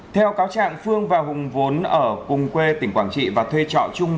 theo cáo trạng phương và hùng vốn ở cùng quê tỉnh quảng trị và thuê trọ chung